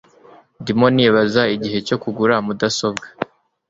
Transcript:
Ndimo nibaza igihe cyo kugura mudasobwa